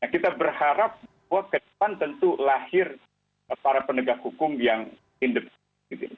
kita berharap bahwa ke depan tentu lahir para penegak hukum yang independen